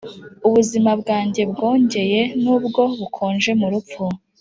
ubuzima bwanjye bwongeye nubwo bukonje mu rupfu: